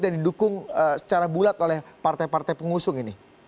dan didukung secara bulat oleh partai partai pengusung ini